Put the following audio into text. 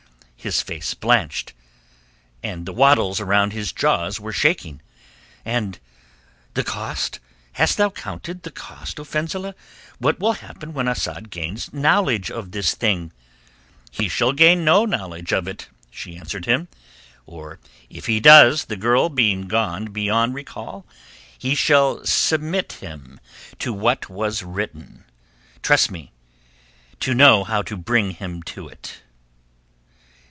His face blanched, and the wattles about his jaws were shaking. "And... and the cost? Hast thou counted the cost, O Fenzileh? What will happen when Asad gains knowledge of this thing?" "He shall gain no knowledge of it," she answered him. "Or if he does, the girl being gone beyond recall, he shall submit him to what was written. Trust me to know how to bring him to it."